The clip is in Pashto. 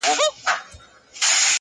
• د بوډۍ ټال به مي په سترګو کي وي ,